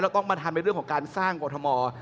ต้องมาทำในเรื่องของการสร้างกรทม